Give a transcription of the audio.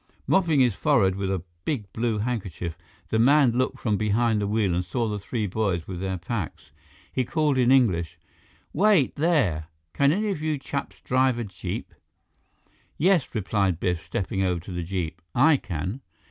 Mopping his forehead with a big blue handkerchief, the man looked from behind the wheel and saw the three boys with their packs. He called in English: "Wait, there! Can any of you chaps drive a jeep?" "Yes," replied Biff, stepping over to the jeep. "I can."